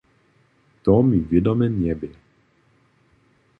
To mi wědome njebě.